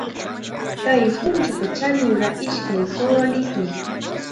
Kay punchupa chaninqa ishkay sulismi.